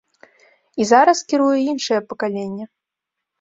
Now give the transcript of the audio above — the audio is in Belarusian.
І зараз кіруе іншае пакаленне.